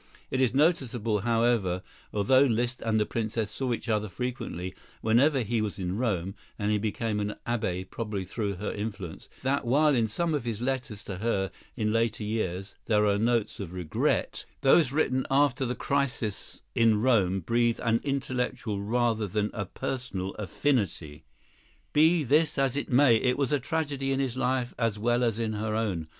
It is noticeable, however, although Liszt and the Princess saw each other frequently whenever he was in Rome, and he became an abbé probably through her influence, that while in some of his letters to her in later years there are notes of regret, those written after the crisis in Rome breathe an intellectual rather than a personal affinity. Be this as it may, it was a tragedy in his life as well as in her own.